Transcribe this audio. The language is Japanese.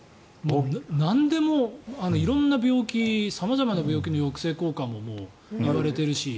なんでも色んな病気様々な病気の抑制効果もうたわれているし